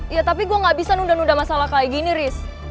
ya tapi gue gak bisa nunda nunda masalah kayak gini riz